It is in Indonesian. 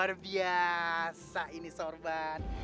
luar biasa ini sorban